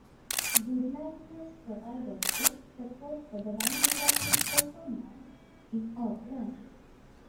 Goodnight Nurse provided the support for the OneRepublic performance in Auckland.